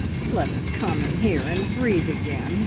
"Let us come in here and breathe again!"